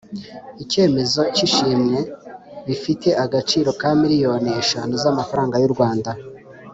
icyemezo cy ishimwe bifite agaciro ka miliyoni eshanu z amafaranga y u rwanda